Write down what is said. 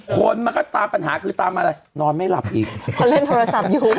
คนมันก็ตามปัญหาคือตามอะไรนอนไม่หลับอีกเขาเล่นโทรศัพท์อยู่